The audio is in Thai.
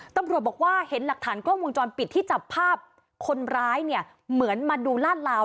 ตำรวจบอกว่าเห็นหลักฐานกล้องวงจรปิดที่จับภาพคนร้ายเนี่ยเหมือนมาดูลาดลาว